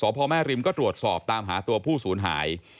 พ่อแม่ริมก็ตรวจสอบตามหาตัวผู้สูญหาย